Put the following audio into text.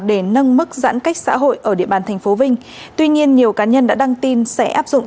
để nâng mức giãn cách xã hội ở địa bàn tp vinh tuy nhiên nhiều cá nhân đã đăng tin sẽ áp dụng